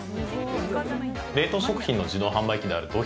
冷凍食品の自動販売機であるど